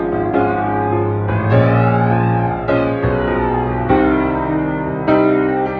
kamu adalah keindahan yang tak bisa dilewat mimpi